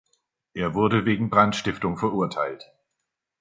Er wurde wegen Brandstiftung verurteilt.